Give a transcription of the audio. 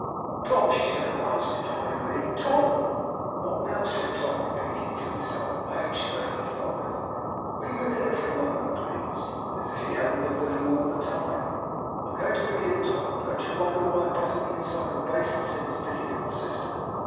'Tom,' she said at last, in high glee. 'Tom!' 'What now?' said Tom, repeating to himself, 'aged thirty five!' 'Will you look here a moment, please?' As if he hadn't been looking all the time! 'I am going to begin, Tom. Don't you wonder why I butter the inside of the basin?' said his busy little sister.